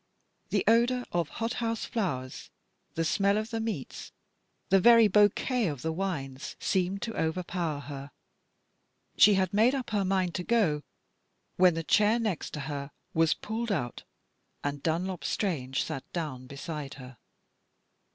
The odour of hot house flowers, the smell of hot meats, the very DUNLOP STRANGE MAKES A MISTAKE. 245 bouquet of the wines, seemed to overpower her. She had made up her mind to go, when the chair next to her was pulled out, and Dunlop Strange sat down beside her.